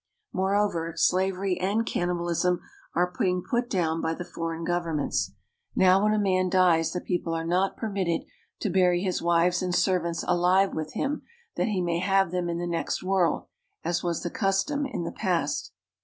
Moreover, slavery and cannibalism are being put down by the foreign governments. Now when a man dies the people are not permitted to bury his wives and servants alive with him that he may have them in the next world, as was the custom in the past.